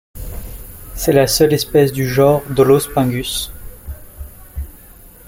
C'est la seule espèce du genre Dolospingus.